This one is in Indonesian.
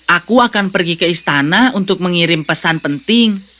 aku akan pergi ke istana untuk mengirim pesan penting